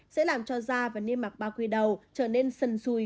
sẽ làm cho da và niên mạc bao quy đầu trở nên sần sùi